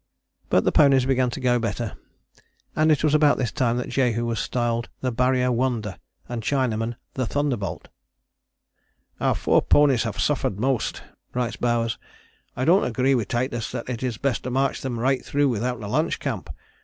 " But the ponies began to go better; and it was about this time that Jehu was styled the Barrier Wonder, and Chinaman the Thunderbolt. "Our four ponies have suffered most," writes Bowers. "I don't agree with Titus that it is best to march them right through without a lunch camp.